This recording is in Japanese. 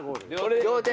両手。